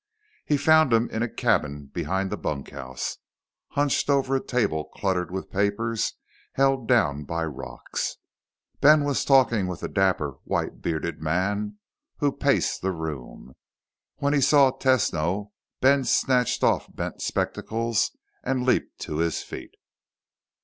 He found him in a cabin behind the bunkhouse, hunched over a table cluttered with papers held down by rocks. Ben was talking with a dapper, white bearded man who paced the room. When he saw Tesno, Ben snatched off bent spectacles and leaped to his feet.